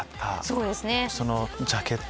そうですね。